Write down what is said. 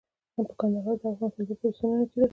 کندهار د افغان کلتور په داستانونو کې راځي.